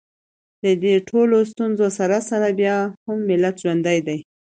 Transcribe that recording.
د دې ټولو ستونزو سره سره بیا هم ملت ژوندی دی